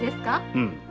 うん。